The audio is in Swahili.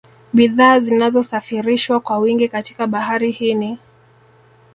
Bidhaa zinazosafirishwa kwa wingi katika Bahari hii ni